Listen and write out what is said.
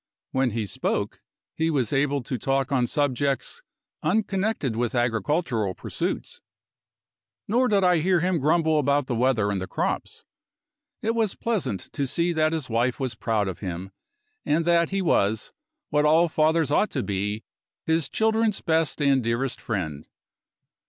When he spoke, he was able to talk on subjects unconnected with agricultural pursuits; nor did I hear him grumble about the weather and the crops. It was pleasant to see that his wife was proud of him, and that he was, what all fathers ought to be, his children's best and dearest friend.